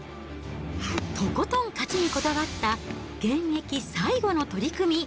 とことん勝ちにこだわった現役最後の取組。